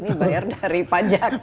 ini bayar dari pajak